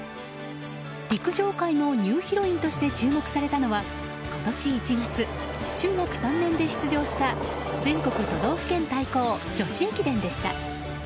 陸上界のニューヒロインとして注目されたのは今年１月、中学３年で出場した全国都道府県対抗女子駅伝でした。